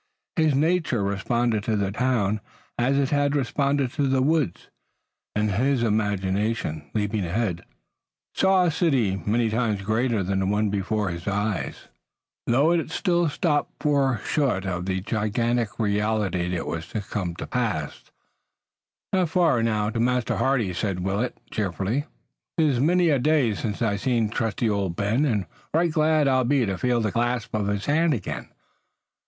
His nature responded to the town, as it had responded to the woods, and his imagination, leaping ahead, saw a city many times greater than the one before his eyes, though it still stopped far short of the gigantic reality that was to come to pass. "It's not far now to Master Hardy's," said Willet cheerfully. "It's many a day since I've seen trusty old Ben, and right glad I'll be to feel the clasp of his hand again."